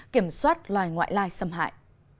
kiểm soát loài ngoại lai xâm hại